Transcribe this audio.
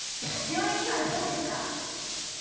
病院には行ったんですか？